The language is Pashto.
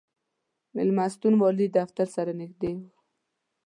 مېلمستون والي دفتر سره نږدې و.